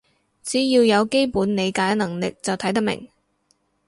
只要有基本理解能力就睇得明